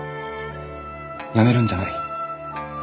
やめるんじゃない。